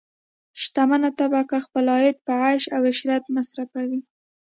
شتمنه طبقه خپل عاید په عیش او عشرت مصرفوي.